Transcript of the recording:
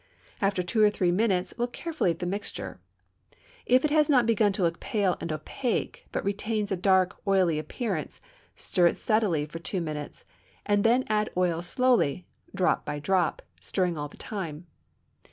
After two or three minutes look carefully at the mixture; if it has not begun to look pale and opaque, but retains a dark, oily appearance, stir it steadily for two minutes, and then add oil slowly, drop by drop, stirring all the time.